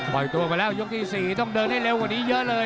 ตัวไปแล้วยกที่๔ต้องเดินให้เร็วกว่านี้เยอะเลย